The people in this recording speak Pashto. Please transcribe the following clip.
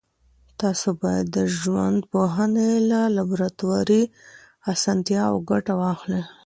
تاسو باید د ژوندپوهنې له لابراتواري اسانتیاوو ګټه واخلئ.